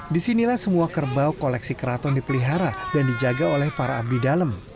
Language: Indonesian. disinilah semua kerbau koleksi keraton dipelihara dan dijaga oleh para abdi dalam